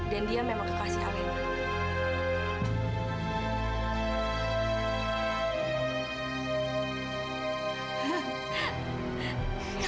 dan dia memang kekasih alena